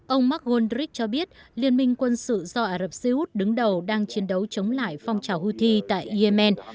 ông margundrick cho biết liên minh quân sự do ả rập xê út đứng đầu đang chiến đấu chống lại phong trào houthi tại yemen